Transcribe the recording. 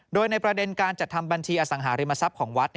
โดยในประเด็นการจัดทำบัญชีอสังหาริมทรัพย์ของวัด